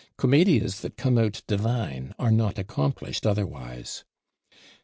Commedias that come out divine are not accomplished otherwise.